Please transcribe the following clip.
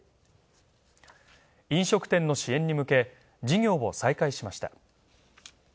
飲食店の支援に向け、事業を再開しました。